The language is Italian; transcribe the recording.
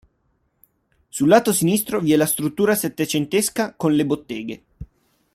Sul lato sinistro vi è la struttura settecentesca con le botteghe.